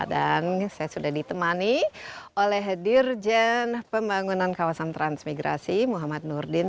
dan saya sudah ditemani oleh dirjen pembangunan kawasan transmigrasi muhammad nurdin